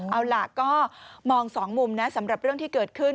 เอาล่ะก็มองสองมุมนะสำหรับเรื่องที่เกิดขึ้น